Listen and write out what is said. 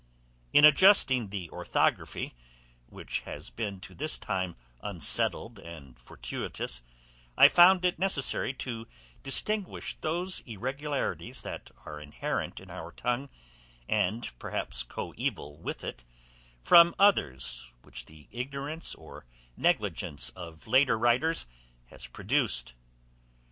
In adjusting the ORTHOGRAPHY, which has been to this time unsettled and fortuitous, I found it necessary to distinguish those irregularities that are inherent in our tongue, and perhaps coeval with it, from others which the ignorance or negligence of later writers has produced.